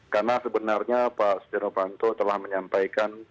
karena sebenarnya pak stiano vanto telah menyampaikan